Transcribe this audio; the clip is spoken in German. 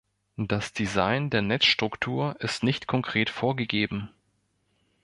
Das Design der Netzstruktur ist nicht konkret vorgegeben.